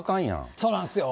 そうなんですよ。